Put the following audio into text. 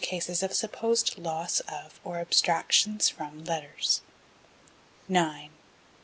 Cases of supposed loss of or abstractions from Letters. 9. do.